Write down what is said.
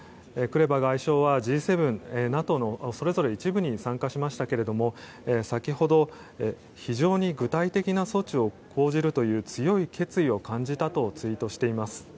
クレバ外相はＧ７、ＮＡＴＯのそれぞれ一部に参加しましたけれど先ほど、非常に具体的な措置を講じるという強い決意を感じたとツイートしています。